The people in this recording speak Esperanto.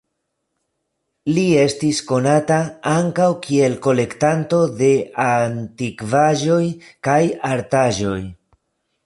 Li estis konata ankaŭ kiel kolektanto de antikvaĵoj kaj artaĵoj.